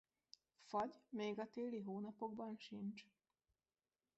Fagy még a téli hónapokban sincs.